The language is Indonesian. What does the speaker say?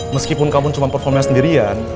meskipun kamu cuma performa sendirian